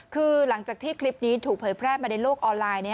คือหลังจากที่คลิปนี้ถูกเผยแพร่มาในโลกออนไลน์